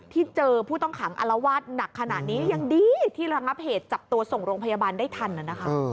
ที่เจอผู้ต้องขังอารวาสหนักขนาดนี้ยังดีที่ระงับเหตุจับตัวส่งโรงพยาบาลได้ทันนะคะ